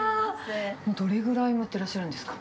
どれぐらいやってらっしゃるんですか？